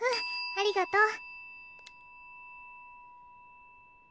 ありがとう。